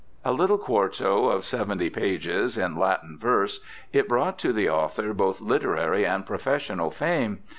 A little quarto, of seventy pages, in Latin verse, it brought to the author both literary and professional fame.